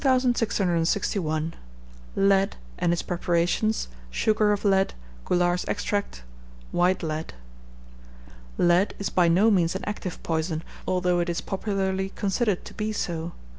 Lead, and its preparations, Sugar of Lead, Goulard's Extract, White Lead. Lead is by no means an active poison, although it is popularly considered to be so.